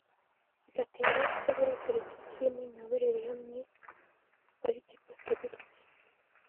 bigatera kutagira politiki y’imiyoborere ihamye “political stability”